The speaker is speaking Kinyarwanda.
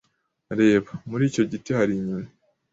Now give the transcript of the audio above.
Reba! Muri icyo giti hari inyoni.